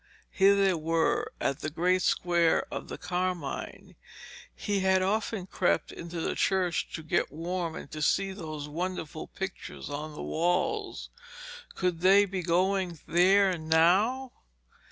here they were at the great square of the Carmine. He had often crept into the church to get warm and to see those wonderful pictures on the walls. Could they be going there now?